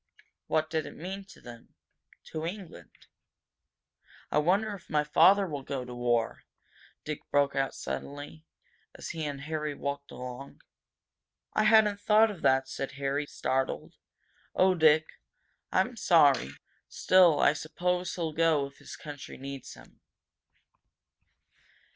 What did it mean to them, to England? "I wonder if my father will go to war!" Dick broke out suddenly, as he and Harry walked along. "I hadn't thought of that!" said Harry, startled. "Oh, Dick, I'm sorry! Still, I suppose he'll go, if his country needs him!"